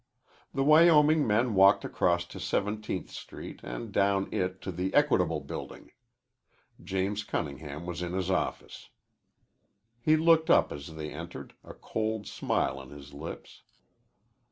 The Wyoming men walked across to Seventeenth Street and down it to the Equitable Building. James Cunningham was in his office. He looked up as they entered, a cold smile on his lips.